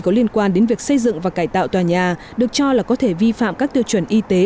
có liên quan đến việc xây dựng và cải tạo tòa nhà được cho là có thể vi phạm các tiêu chuẩn y tế